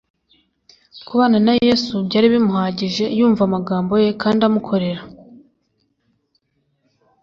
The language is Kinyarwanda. Kubana na Yesu byari'bimuhagije, yumva amagambo ye kandi amukorera.